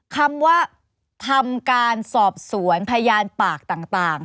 คำว่าทำการสอบสวนพยานปากต่าง